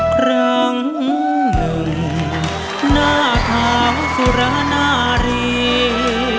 ครั้งหนึ่งหน้าเท้าสุรนารีก